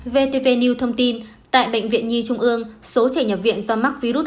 vtv new thông tin tại bệnh viện nhi trung ương số trẻ nhập viện do mắc virus